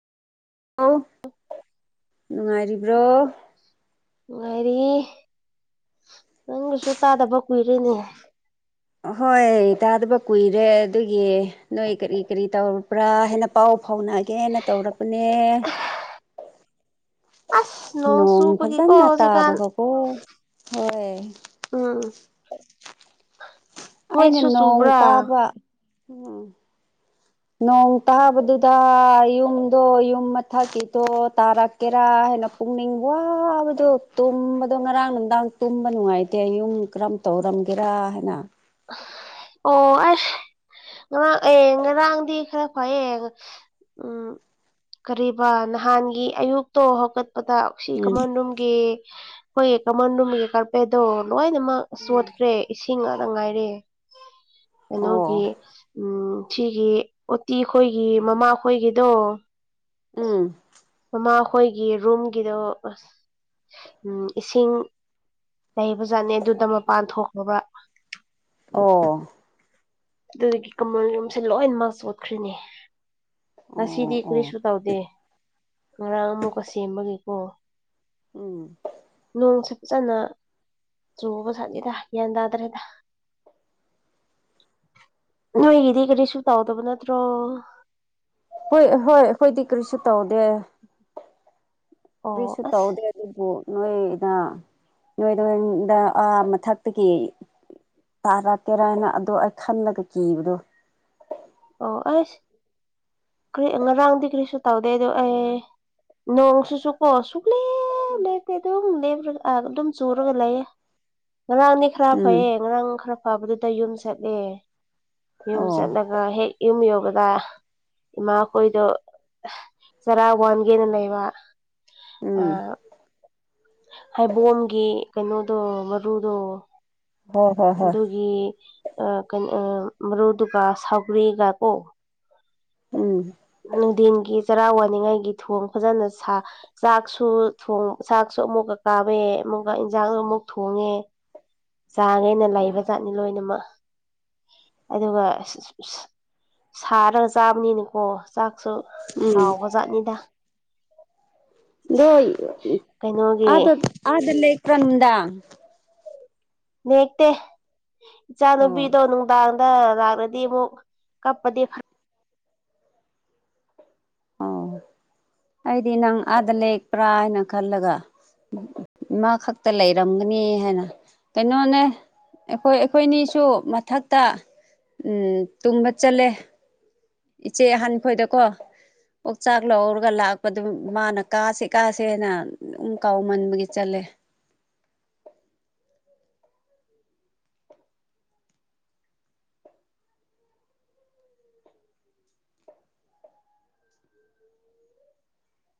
ꯑꯣ ꯅꯨꯡꯉꯥꯏꯔꯤꯕ꯭ꯔꯣ ꯅꯨꯡꯉꯥꯏꯔꯤꯌꯦ ꯅꯪꯒꯤꯁꯨ ꯇꯥꯗꯕ ꯀꯨꯏꯔꯦꯅꯦ ꯑꯍꯣꯏ ꯇꯥꯗꯕ ꯀꯨꯏꯔꯦ ꯑꯗꯨꯒꯤ ꯅꯣꯏ ꯀꯔꯤ ꯀꯔꯤ ꯇꯧꯔꯕ꯭ꯔꯥ ꯍꯥꯏꯅ ꯄꯥꯎ ꯐꯥꯎꯅꯒꯦꯅ ꯇꯧꯔꯛꯄꯅꯦ꯫ ꯑꯁ ꯅꯣꯡ ꯆꯨꯕꯒꯤꯀꯣ ꯐꯖꯅ ꯍꯧꯖꯤꯛꯀꯥꯟ ꯇꯥꯕꯒꯀꯣ ꯍꯣꯏ꯫ ꯎꯝ꯫ [unintelligible] [unintelligible] ꯑꯩꯅ ꯅꯣꯏꯁꯨ ꯅꯣꯡ ꯆꯨꯕ꯭ꯔꯥ ꯇꯥꯕ ꯎꯝ꯫ ꯅꯣꯡ ꯇꯥꯕꯗꯨꯗ ꯌꯨꯝꯗꯣ ꯌꯨꯝ ꯃꯊꯛꯀꯤꯗꯣ ꯇꯥꯔꯛ ꯀꯦꯔꯥ ꯍꯩꯅ ꯄꯨꯛꯅꯤꯡ ꯋꯥꯕꯗꯣ ꯇꯨꯝꯕꯗꯣ ꯉꯔꯥꯡ ꯅꯨꯡꯗꯥꯡ ꯇꯨꯝꯕ ꯅꯨꯡꯉꯥꯏꯇꯦ ꯌꯨꯝ ꯀꯔꯝ ꯇꯧꯔꯝꯒꯦꯔꯥ ꯍꯥꯏꯅ꯫ ꯑꯣ ꯑꯦ꯫ ꯉꯥꯡ ꯑꯦ ꯉꯔꯥꯡꯗꯤ ꯈꯔ ꯐꯩꯌꯦ ꯎꯝ ꯎꯝ ꯀꯔꯤꯕ ꯅꯍꯥꯟꯒꯤ ꯑꯌꯨꯛꯇꯣ ꯍꯧꯒꯠꯄꯗ ꯁꯤ ꯎꯝ ꯀꯃꯟ ꯔꯨꯝꯒꯤ ꯈꯣꯏꯒꯤ ꯀꯃꯟ ꯔꯨꯝꯒꯤ ꯀꯥꯔꯄꯦꯠꯇꯣ ꯂꯣꯏꯅꯃꯛ ꯆꯣꯠꯈ꯭ꯔꯦ꯫ ꯏꯁꯤꯡ ꯉꯥꯛꯗ ꯉꯥꯏꯔꯦ ꯑꯣ ꯀꯩꯅꯣꯒꯤ ꯎꯝ ꯁꯤꯒꯤ ꯑꯣꯇꯤ ꯈꯣꯏꯒꯤ ꯃꯃꯥꯈꯣꯏꯒꯤꯗꯣ ꯎꯝ꯫ ꯃꯥꯈꯣꯏꯒꯤ ꯔꯨꯝꯒꯤꯗꯣ ꯑꯁ ꯎꯝ ꯏꯁꯤꯡ ꯂꯩꯕꯖꯥꯠꯅꯦ ꯑꯗꯨꯗ ꯃꯄꯥꯟ ꯊꯣꯛꯈ꯭ꯔꯕ꯫ ꯑꯣ꯫ ꯑꯗꯨꯒꯤ ꯀꯃꯟ ꯌꯨꯝꯁꯦ ꯂꯣꯏꯅꯃꯛ ꯆꯣꯠꯈ꯭ꯔꯤꯅꯦ ꯑꯣ ꯉꯁꯤꯗꯤ ꯑꯣ ꯀꯔꯤꯁꯨ ꯇꯧꯗꯦ꯫ ꯉꯔꯥꯡ ꯑꯃꯨꯛꯀ ꯁꯦꯝꯕꯒꯤꯀꯣ ꯎꯝ ꯅꯣꯡꯁꯦ ꯐꯖꯅ ꯆꯨꯕ ꯖꯥꯠꯅꯤꯗ ꯒ꯭ꯌꯥꯟ ꯇꯥꯗ꯭ꯔꯦꯗ꯫ ꯅꯣꯏꯒꯤꯗꯤ ꯀꯔꯤꯁꯨ ꯇꯧꯗꯕ ꯅꯠꯇ꯭ꯔꯣ꯫ ꯍꯣꯏ ꯍꯣꯏ ꯑꯈꯣꯏꯗꯤ ꯀꯔꯤꯁꯨ ꯇꯧꯗꯦ꯫ ꯑꯣ ꯀ꯭ꯔꯤꯁꯨ ꯑꯁ ꯇꯩꯗꯦ꯫ ꯑꯗꯨꯕꯨ ꯅꯣꯏꯗꯥ ꯅꯣꯏꯗꯣꯟꯗ ꯑꯥ ꯃꯊꯛꯇꯒꯤ ꯇꯥꯔꯛꯀꯦꯔꯥ ꯍꯥꯏꯅ ꯑꯗꯣ ꯑꯩ ꯈꯟꯂꯒ ꯀꯤꯕꯗꯨ꯫ ꯑꯣ ꯑꯩꯁ ꯀ꯭ꯔꯤ ꯉꯔꯥꯡꯗꯤ ꯀ꯭ꯔꯤꯁꯨ ꯇꯥꯎꯗꯦꯗꯣ ꯑꯩ ꯅꯣꯡꯁꯨꯁꯨꯀꯣ ꯁꯨꯨꯛꯂꯦ [inaudible] ꯇꯦ ꯑꯗꯨꯝ ꯂꯦꯞꯔꯒ ꯑꯥ ꯑꯗꯨꯝ ꯆꯨꯔꯒ ꯂꯩꯌꯦ ꯉꯔꯥꯡꯗꯤ ꯈꯔ ꯎꯝ ꯐꯩꯌꯦ ꯉꯔꯥꯡ ꯈꯔ ꯐꯕꯗꯨꯗ ꯌꯨꯝ ꯆꯠꯂꯦ ꯌꯨꯝ ꯑꯣ ꯆꯠꯅ ꯒꯥ ꯍꯦꯛ ꯌꯨꯝ ꯌꯧꯔꯒ ꯏꯃꯥꯈꯣꯏꯗꯣ ꯆꯥꯔ ꯋꯥꯟꯒꯦꯅ ꯂꯩꯕ ꯎꯝ ꯑꯥ ꯍꯩꯕꯣꯝꯒꯤ ꯀꯩꯅꯣꯗꯣ ꯃꯔꯨꯗꯣ ꯍꯣꯏ ꯍꯣꯏ ꯍꯣꯏ ꯑꯗꯨꯒꯤ ꯑꯥ ꯀꯩꯅꯣ ꯑꯥ ꯃꯔꯨꯗꯨꯒꯥ ꯁꯧꯒ꯭ꯔꯤꯒꯀꯣ꯫ ꯎꯝ꯫ ꯅꯨꯡꯙꯤꯟꯒꯤ ꯆꯔꯥ ꯋꯥꯅꯤꯡꯉꯥꯏꯒꯤ ꯊꯣꯡ ꯐꯖꯅ ꯁꯥ ꯆꯥꯛꯁꯨ ꯊꯣꯡ ꯆꯥꯛꯁꯨ ꯑꯃꯨꯛꯀ ꯀꯥꯝꯃꯦ ꯑꯃꯨꯛꯀ ꯏꯟꯁꯥꯡ ꯑꯃꯨꯛ ꯊꯣꯡꯉꯦ꯫ ꯆꯥꯒꯦꯅ ꯂꯩꯕ ꯖꯥꯠꯅꯤ ꯂꯣꯏꯅꯃꯛ ꯑꯗꯨꯒ ꯁꯥꯔꯒ ꯆꯥꯕꯅꯤꯅꯀꯣ ꯆꯥꯛꯁꯨ ꯎꯝ ꯍꯥꯎꯕ ꯖꯥꯠꯅꯤꯗ꯫ ꯗꯣ ꯀꯩꯅꯣꯒꯤ ꯑꯥꯗ ꯑꯥꯗ ꯂꯦꯛꯄ꯭ꯔꯥ ꯅꯨꯡꯗꯥꯡ꯫ ꯅꯦꯛꯇꯦ ꯑꯣ ꯏꯆꯥꯅꯨꯄꯤꯗꯣ ꯅꯨꯡꯗꯥꯡꯗ ꯂꯥꯛꯔ ꯗꯤ ꯃꯨꯛ ꯀꯞꯗꯤ ꯐ ꯑꯣ ꯑꯩꯗꯤ ꯅꯪ ꯑꯥꯗ ꯂꯦꯛꯄ꯭ꯔꯥ ꯍꯥꯏꯅ ꯈꯜꯂꯒ ꯏꯃꯥ ꯈꯛꯇ ꯂꯩꯔꯝꯒꯅꯤ ꯍꯥꯏꯅ ꯀꯩꯅꯣꯅꯦ ꯑꯩꯈꯣꯏ ꯑꯩꯈꯣꯏꯅꯤꯁꯨ ꯃꯊꯛꯇ ꯎꯝ ꯇꯨꯝꯕ ꯆꯠꯂꯦ ꯏꯆꯦ ꯑꯍꯥꯟ ꯈꯣꯏꯗꯀꯣ ꯑꯣꯛꯆꯥꯛ ꯂꯧꯔꯒ ꯂꯥꯛꯄꯗꯨ ꯃꯥꯅ ꯀꯥꯁꯦ ꯀꯥꯁꯦꯅ ꯑꯗꯨꯝ ꯀꯥꯎ ꯃꯟꯕꯒꯤ ꯆꯠꯂꯦ